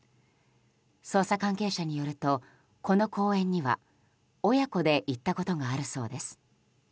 捜査関係者によるとこの公園には親子で行ったことがあるそうです。